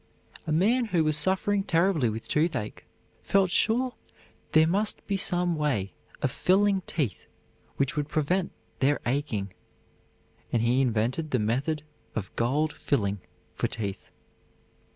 A man who was suffering terribly with toothache felt sure there must be some way of filling teeth which would prevent their aching and he invented the method of gold filling for teeth.